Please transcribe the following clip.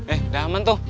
eh udah aman tuh